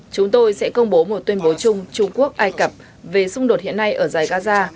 chúng tôi sẽ công bố một tuyên bố chung trung quốc ai cập về xung đột hiện nay ở giải gaza